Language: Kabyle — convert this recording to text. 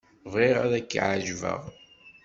Bɣiɣ ad k-εeǧbeɣ.